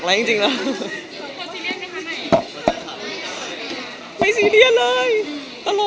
เขาจะไล่ไม่ออกแล้ว